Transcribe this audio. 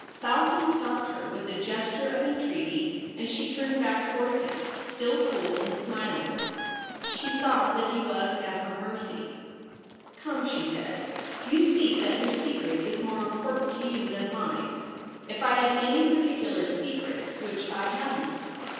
Falcon stopped her with a oresture of entreaty, and she turned back towards him, still cool and smiling. She saw that he was at her mercy. ^ Come !' she said, ' you see that your secret is more important to you than mine — if I had any particular secret, which I haven't.